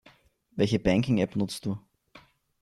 Welche Banking-App nutzt du?